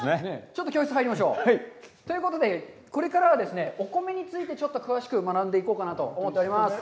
ちょっと教室に入りましょう。ということで、これからはですね、お米についてちょっと詳しく学んでいこうかなと思っております。